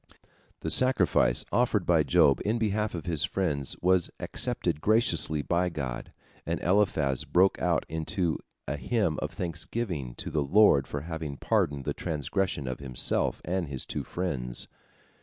The sacrifice offered by Job in behalf of his friends was accepted graciously by God, and Eliphaz broke out into a hymn of thanksgiving to the Lord for having pardoned the transgression of himself and his two friends.